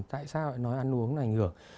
tại sao nói ăn uống nó ảnh hưởng